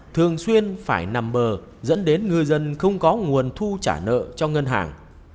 thường xuyên phải nằm bờ dẫn đến ngư dân không có nguồn thu trả nợ cho ngân hàng